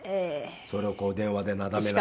それをこう電話でなだめながら。